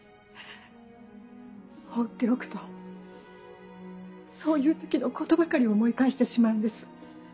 放っておくとそういう時のことばかり思い返してしまうんです。